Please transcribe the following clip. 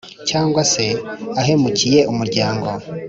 Cyangwa se ahemukiye umuryango